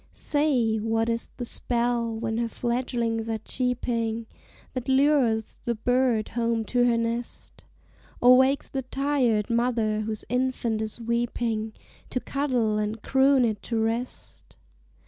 Say, what is the spell, when her fledgelings are cheeping, That lures the bird home to her nest? Or wakes the tired mother, whose infant is weeping, To cuddle and croon it to rest?